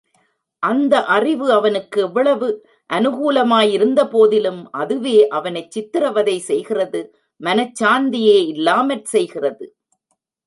அந்த அறிவு அவனுக்கு எவ்வளவு அநுகூலமா யிருந்தபோதிலும், அதுவே அவனைச் சித்திரவதை செய்கிறது மனச்சாந்தியே இல்லாமற் செய்கிறது.